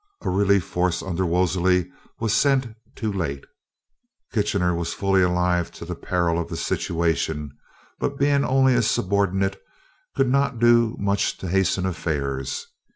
A relief force under Wolseley was sent too late. Kitchener was fully alive to the peril of the situation, but being only a subordinate could not do much to hasten affairs.